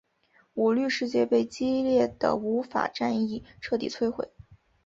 舞律世界被激烈的舞法战役彻底摧毁。